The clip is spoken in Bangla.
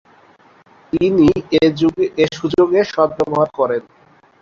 তিনি এ সুযোগের সদ্ব্যবহার করেন।